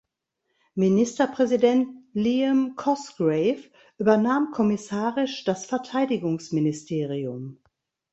Ministerpräsident Liam Cosgrave übernahm kommissarisch das Verteidigungsministerium.